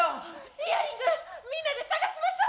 イヤリングみんなで捜しましょう。